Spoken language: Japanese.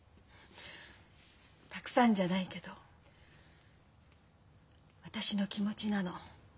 たくさんじゃないけど私の気持ちなの。